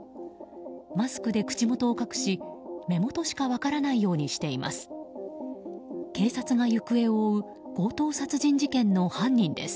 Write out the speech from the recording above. マスクで口元を隠し目元しか分からないようにしています。